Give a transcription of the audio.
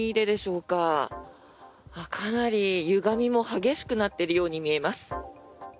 かなりゆがみも激しくなっているように見えます。